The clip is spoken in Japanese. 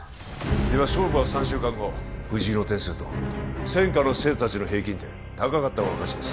では勝負は３週間後藤井の点数と専科の生徒達の平均点高かった方が勝ちです